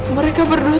mereka berdua tuh beda